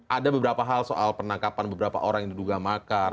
ada beberapa hal soal penangkapan beberapa orang yang diduga makar